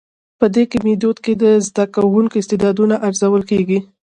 په دي ميتود کي د زده کوونکو استعدادونه ارزول کيږي.